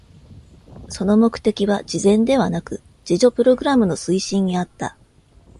その目的は慈善ではなく、自助プログラムの推進にあった。